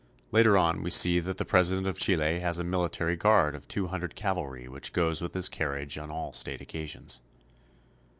Later on we see that the president of Chile has a military guard of two hundred cavalry which goes with his carriage on all state occasions.